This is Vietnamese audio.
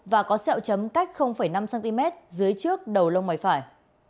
và có sẹo chấm cách năm cm dưới trước đầu lông mày phải